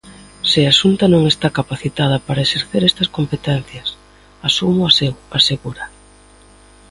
Se a Xunta non está "capacitada" para exercer estas competencias "asúmoas eu", asegura.